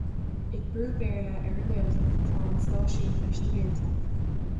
Ag brú Béarla ar an nGaeltacht atá an stáisiún leis na blianta.